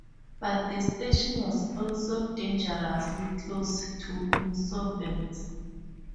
But the station was also dangerously close to insolvency.